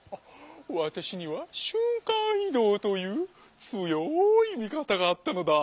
私には瞬間移動という強い味方があったのだ。